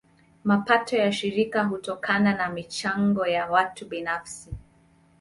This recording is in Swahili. Mapato ya shirika hutokana na michango ya watu binafsi.